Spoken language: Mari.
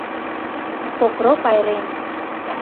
Покро пайрем.